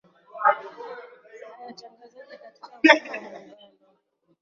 a yataingizwaje katika mfumo wa muungano